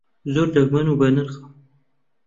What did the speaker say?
زۆر دەگمەن و بەنرخە.